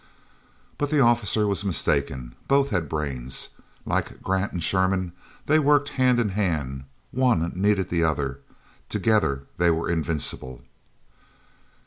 But the officer was mistaken; both had brains. Like Grant and Sherman they worked hand in hand, and one needed the other. Together they were invincible.